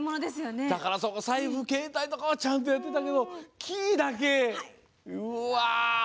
財布、携帯とかはちゃんとやってたけどキーだけ、うわあ。